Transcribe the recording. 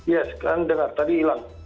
yes kan dengar tadi hilang